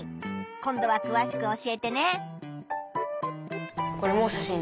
今度はくわしく教えてね。